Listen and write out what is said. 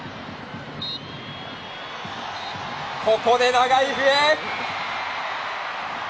ここで長い笛。